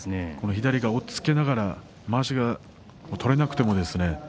左、押っつけながらまわしが取れなくてもですね